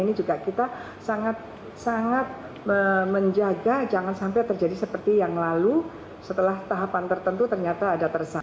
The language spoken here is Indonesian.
ini juga kita sangat menjaga jangan sampai terjadi seperti yang lalu setelah tahapan tertentu ternyata ada tersangka